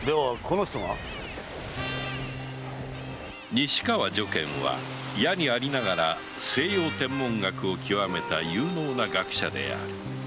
西川如見は野にありながら西洋天文学を極めた有能な学者である